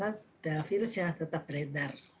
ada virus yang tetap berenar